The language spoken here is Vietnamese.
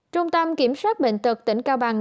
trung tâm kiểm soát bệnh tật tỉnh cao bằng